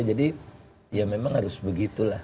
jadi ya memang harus begitu lah